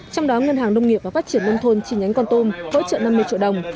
trong đó ngân hàng nông nghiệp và phát triển nông thôn chi nhánh con tum hỗ trợ năm mươi triệu đồng